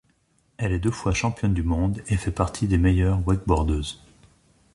Elle est deux fois championne du monde et fait partie des meilleures wakeboardeuse.